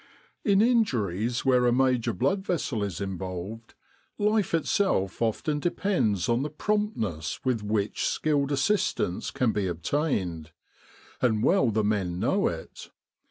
In in juries where a major blood vessel is involved, life itself often depends on the promptness with which 74 Desert Warfare skilled assistance can be obtained, and well the men know it.